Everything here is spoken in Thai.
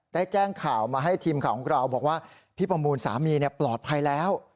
ได้แจ้งข่าวมาให้ทีมข่าวของเราบอกว่าพี่ประมูลสามีปลอดภัยแล้ว